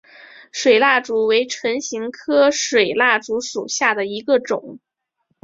水蜡烛为唇形科水蜡烛属下的一个种。